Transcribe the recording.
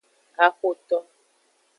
Haxoto.